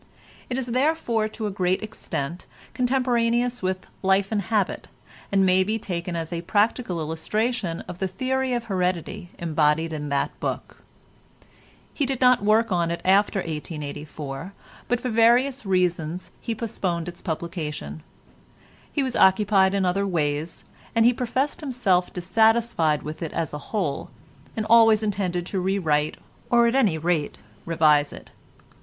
It is therefore, to a great extent, contemporaneous with "Life and Habit," and may be taken as a practical illustration of the theory of heredity embodied in that book. He did not work at it after 1884, but for various reasons he postponed its publication. He was occupied in other ways, and he professed himself dissatisfied with it as a whole, and always intended to rewrite or at any rate to revise it.